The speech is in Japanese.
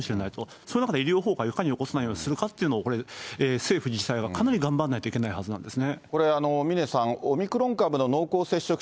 その中で医療崩壊をいかに起こさないようにするかっていうのを、政府、自治体がかなり頑張らないといけないと思うんですね。